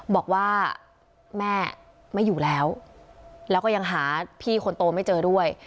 บอกว่าแม่ไม่อยู่แล้วแล้วก็ยังหาพี่คนโตไม่เจอด้วย